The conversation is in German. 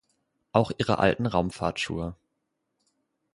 Auch ihre alten Raumfahrtschuhe.